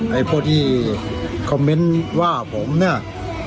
ไอ้พวกที่คอมเมนต์ว่าผมเนี่ย